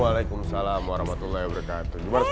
waalaikumsalam warahmatullahi wabarakatuh